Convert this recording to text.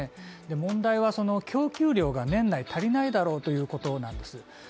問題はその供給量が年内、足りないだろうということなんです